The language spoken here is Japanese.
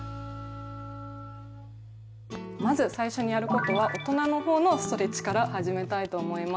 まず最初にやることは大人の方のストレッチから始めたいと思います。